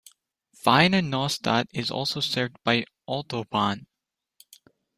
Wiener Neustadt is also served by Autobahn.